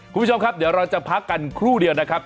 คุณผู้ชมครับเดี๋ยวเราจะพักกันครู่เดียวนะครับ